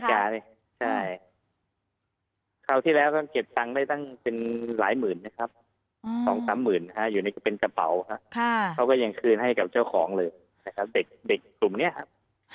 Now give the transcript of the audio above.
ใช่คราวที่แล้วก็เก็บเงินได้ตั้งเป็นหลายหมื่นนะครับ๒๓หมื่นอยู่ในกระเป๋าเขาก็ยังคืนให้กับเจ้าของเลยเด็กกลุ่มนี้ครับ